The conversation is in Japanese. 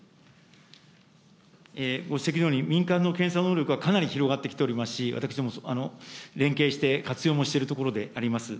ご指摘のように、民間の検査能力はかなり広がってきておりますし、私ども、連携して、活用もしているところであります。